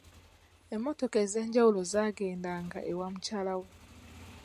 Emmotoka ez'enjawulo zaagendanga ewa mukyala we.